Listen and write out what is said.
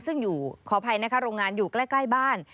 ซึ่งอยู่ขออภัยนะคะโรงงานอยู่ใกล้บ้าน